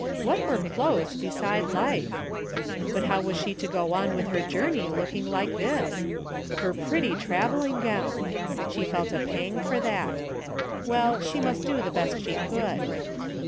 What were clothes beside life? But how was she to go on with her journey looking like this ? Her pretty travelling gown ! She felt a pang for that Well, she must do the best she could.